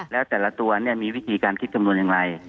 แล้วแต่ละตัวมีวิธีการคิดคำนวณอย่างไร